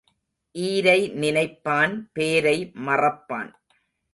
ஈரை நினைப்பான், பேரை மறப்பான்.